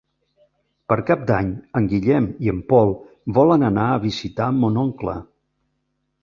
Per Cap d'Any en Guillem i en Pol volen anar a visitar mon oncle.